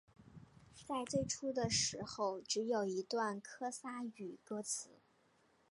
在最初的时候只有一段科萨语歌词。